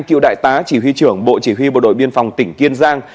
cựu đại tá chỉ huy trưởng bộ chỉ huy bộ đội biên phòng tỉnh kiên giang